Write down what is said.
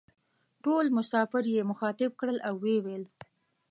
ټول مسافر یې مخاطب کړل او وې ویل: